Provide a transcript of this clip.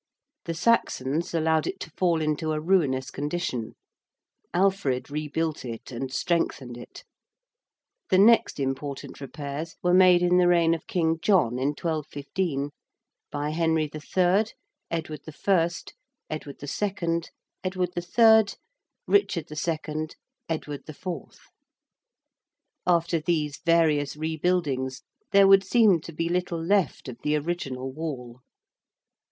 The Saxons allowed it to fall into a ruinous condition. Alfred rebuilt it and strengthened it. The next important repairs were made in the reign of King John in 1215, by Henry III., Edward I., Edward II., Edward III., Richard II., Edward IV. After these various rebuildings there would seem to be little left of the original Wall.